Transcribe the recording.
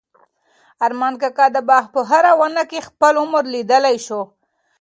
ارمان کاکا د باغ په هره ونه کې خپل عمر لیدلی شو.